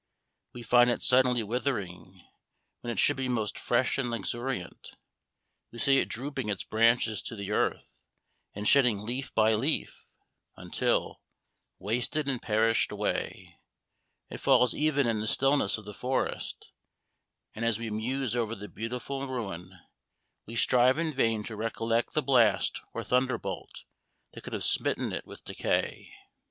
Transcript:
We find it suddenly withering, when it should be most fresh and luxuriant. We see it drooping its branches to the earth, and shedding leaf by leaf, until, wasted and perished away, it falls even in the stillness of the forest; and as we muse over the beautiful ruin, we strive in vain to recollect the blast or thunderbolt that could have smitten it with decay.